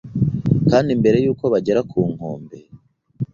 Kandi mbere yuko bagera ku nkombe